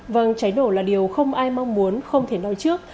vâng cháy nổ là điều không ai mong muốn không thể nói trước